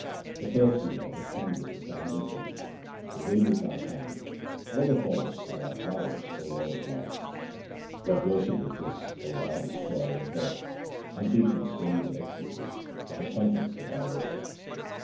The perfume of the sandal is Thine incense, the wind is Thy fan, all the forests are Thy flowers, O Lord of light. What worship is this, O Thou Destroyer of birth ? Unbeaten strains of ecstasy are the trumpets of Thy worship.